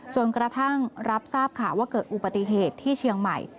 จนกระทั่งรับทราบข่าวว่าเกิดอุบัติเหตุที่เชียงใหม่